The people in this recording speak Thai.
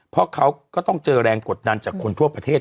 เพราะเขาก็ต้องเจอแรงกดดันจากคนทั่วประเทศ